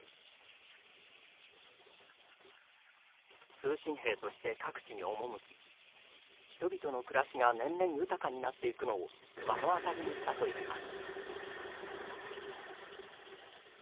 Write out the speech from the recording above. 通信兵として各地に赴き人々の暮らしが年々豊かになっていくのを目の当たりにしたといいます。